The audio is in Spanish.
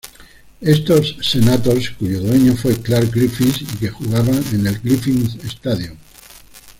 Estos Senators cuyo dueño fue Clark Griffith y que jugaban en el Griffith Stadium.